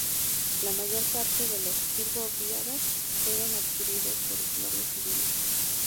La mayor parte de los "Turbo-Beaver" fueron adquiridos por usuarios civiles.